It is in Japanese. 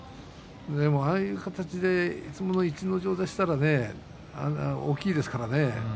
ああいう形でいつもの逸ノ城でしたら大きいですからね